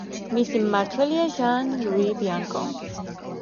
მისი მმართველია ჟან-ლუი ბიანკო.